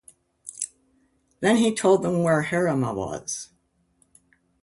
Then he told them where Herrema was.